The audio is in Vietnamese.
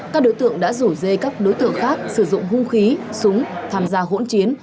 các đối tượng đã rủ dê các đối tượng khác sử dụng hung khí súng tham gia hỗn chiến